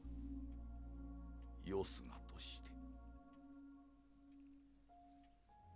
「よすがとして」